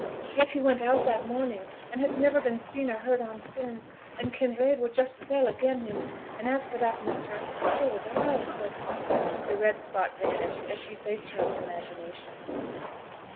Yet he went out that morning, and has niver been seen or heard on sin'; and Kinraid were just fell again' him, and as for that matter, so was I; but ' The red spot vanished as she faced her own imagination.